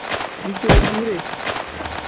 Dijoovure.